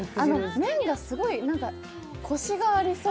麺がすごい、コシがありそう。